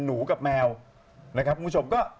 หนูกับแมวนะครับคุณผู้ชมก็